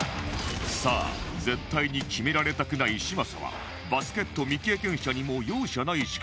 さあ絶対に決められたくない嶋佐はバスケット未経験者にも容赦ない仕掛けをスタンバイ